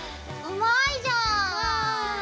うまいじゃん！